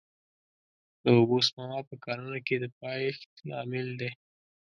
د اوبو سپما په کرنه کې د پایښت عامل دی.